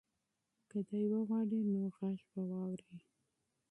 که دی وغواړي نو غږ به واوري.